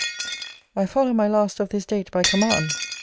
I follow my last of this date by command.